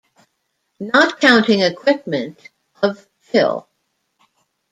Not counting equipment, of fill.